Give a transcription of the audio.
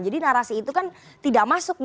jadi narasi itu kan tidak masuk